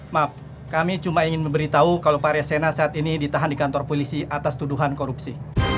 maaf kami cuma ingin memberitahu kalau pak ria sena saat ini ditahan di kantor polisi atas tuduhan korupsi